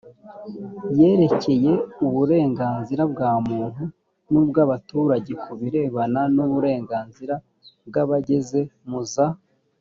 yerekeye uburenganzira bwa muntu n ubw abaturage ku birebana n uburenganzira bw abageze mu za